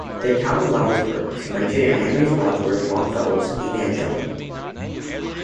The town "Louisburg" is mentioned in Henry Wadsworth Longfellow's "Evangeline".